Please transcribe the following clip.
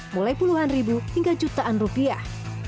mulai puluhan ribu hingga jutaan rupiah